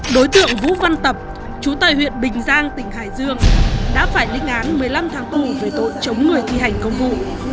đối tượng vũ văn tập chú tài huyện bình giang tỉnh hải dương đã phải linh án một mươi năm tháng tù về tội chống người thi hành công vụ